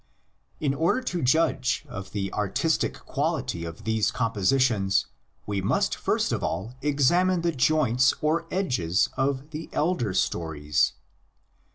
In order to judge of the artistic quality of these compositions we must first of all examine the joints or edges of the elder stories.